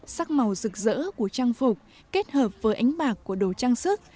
sắc màu rực rỡ của trang phục kết hợp với ánh bạc của đồ trang sức